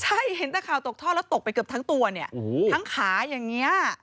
ใช่เห็นแต่ข่าวตกท่อแล้วตกไปเกือบทั้งตัวเนี่ยทั้งขาอย่างนี้